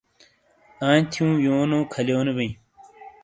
آئیں تھیوں یونو کھالیونو بئے